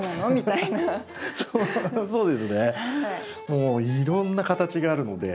もういろんな形があるので。